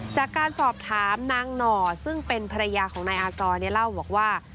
จากการสอบถามนางหน่อซึ่งเป็นภรรยาของนายอากรเล่าบอกว่า